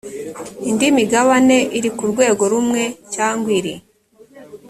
indi migabane iri ku rwego rumwe cyangwa iri